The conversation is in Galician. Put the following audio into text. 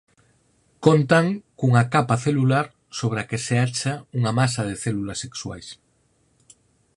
Contan cunha capa celular sobre a que se acha unha masa de células sexuais.